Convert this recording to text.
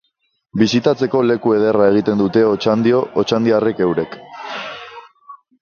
Bisitatzeko leku ederra egiten dute Otxandio otxandiarrek eurek.